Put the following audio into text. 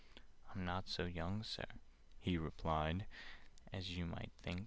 "I'm not so young, Sir," he replied, "As you might think.